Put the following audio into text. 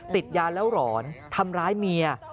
ติดยาแล้วหลอนทำร้ายเมีย